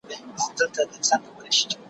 چي یو ځل مي په لحد کي زړګی ښاد کي